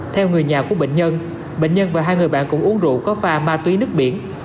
theo người nhà của bệnh nhân bệnh nhân và hai người bạn cũng uống rượu có pha ma túy nước biển